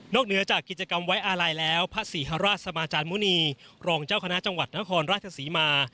เหนือจากกิจกรรมไว้อาลัยแล้วพระศรีฮราชสมาจารย์มุณีรองเจ้าคณะจังหวัดนครราชศรีมา